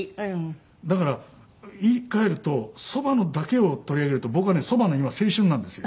だから言い換えるとそばだけを取り上げると僕はねそばの今青春なんですよ。